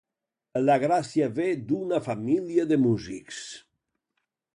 La gràcia ve d'una família de músics.